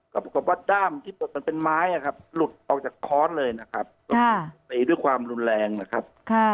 ก็ปรากฏว่าด้ามที่ปลดมันเป็นไม้นะครับหลุดออกจากค้อนเลยนะครับตีด้วยความรุนแรงนะครับ